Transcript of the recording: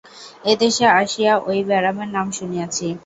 এদেশে আসিয়া ঐ ব্যারামের নাম শুনিয়াছি।